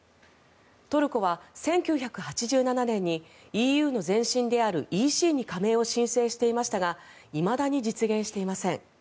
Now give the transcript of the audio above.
トルコは１９８７年にＥＵの前身であるＥＣに加盟を申請していましたがいまだに実現していません。